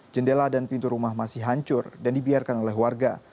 jendela dan pintu rumah masih hancur dan dibiarkan oleh warga